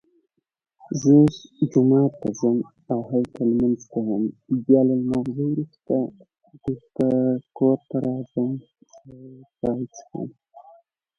ستوني غرونه د افغانانو د معیشت سرچینه ده.